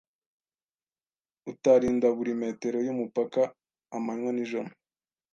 utarinda buri metero y’umupaka amanywa n’ijoro,